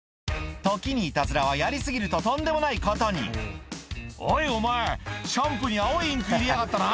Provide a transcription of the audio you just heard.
時にいたずらはやり過ぎるととんでもないことに「おいお前シャンプーに青いインク入れやがったな」